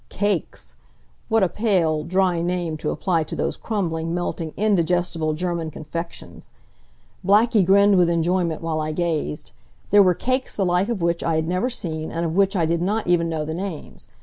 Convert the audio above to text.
Cakes! What a pale; dry name to apply to those crumbling, melting, indigestible German confections! Blackie grinned with enjoyment while I gazed. There were cakes the like of which I had never seen and of which I did not even know the names.